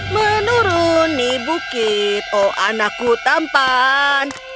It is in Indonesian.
menuruni bukit oh anakku tampan